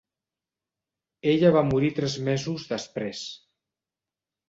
Ella va morir tres mesos després.